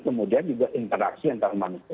kemudian juga interaksi antar manusia